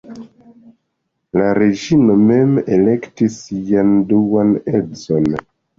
La reĝino mem elektis sian duan edzon.